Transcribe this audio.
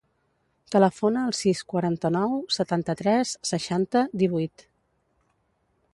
Telefona al sis, quaranta-nou, setanta-tres, seixanta, divuit.